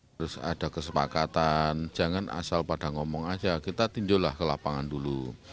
terus ada kesepakatan jangan asal pada ngomong aja kita tinjulah ke lapangan dulu